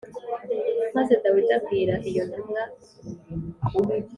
Maze Dawidi abwira iyo ntumwa